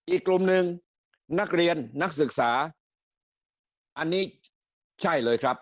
อีกกลุ่มหนึ่งนักเรียนนักศึกษาอันนี้ใช่เลยครับ